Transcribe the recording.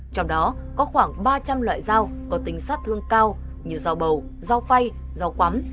trong đó có khoảng ba trăm linh loại dao có tính sát thương cao như dao bầu dao phay dao quắm